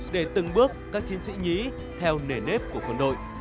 để từng bước các chiến sĩ nhí theo nề nếp của quân đội